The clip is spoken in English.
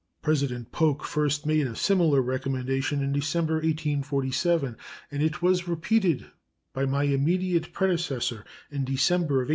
President Polk first made a similar recommendation in December, 1847, and it was repeated by my immediate predecessor in December, 1853.